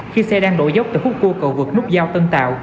khi xe đang đổ dốc từ khúc cua cầu vượt nút giao tân tạo